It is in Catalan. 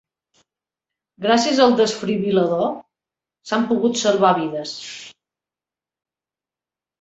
Gràcies al desfibril·lador s'han pogut salvar vides.